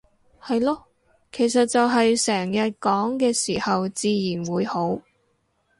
係囉，其實就係成日講嘅時候自然會好